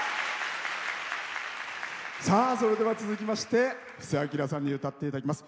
それでは続きまして布施明さんに歌っていただきます。